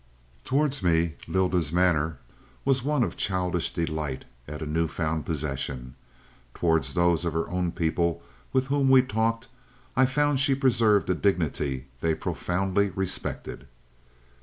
Towards me Lylda's manner was one of childish delight at a new found possession. Towards those of her own people with whom we talked, I found she preserved a dignity they profoundly respected.